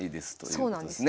そうなんです。